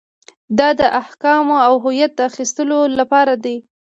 دا د احکامو او هدایت د اخیستلو لپاره دی.